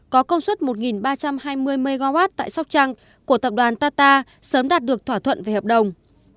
có công suất một ba trăm hai mươi mw tại sóc trăng của tập đoàn tata sớm đạt được thỏa thuận về hợp đồng